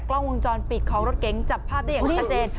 กล้องวงจรปิดของรถเก๋งจับภาพได้อย่างชัดเจน